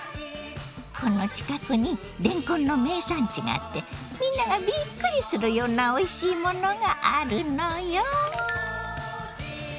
この近くにれんこんの名産地があってみんながびっくりするようなおいしいものがあるのよ！